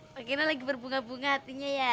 pak gino lagi berbunga bunga hatinya ya